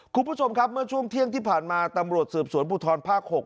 คุณผู้ชมครับเมื่อช่วงเที่ยงที่ผ่านมาตำรวจสืบสวนภูทรภาค๖